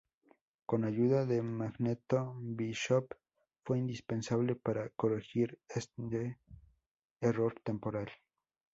Con ayuda de Magneto, Bishop fue indispensable para corregir este error temporal.